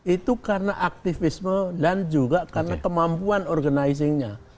itu karena aktivisme dan juga karena kemampuan organizingnya